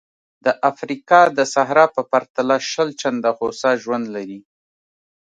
د افریقا د صحرا په پرتله شل چنده هوسا ژوند لري.